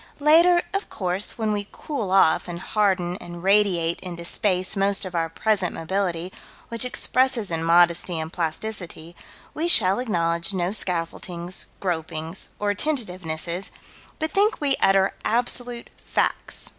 Later, of course, when we cool off and harden and radiate into space most of our present mobility, which expresses in modesty and plasticity, we shall acknowledge no scaffoldings, gropings or tentativenesses, but think we utter absolute facts.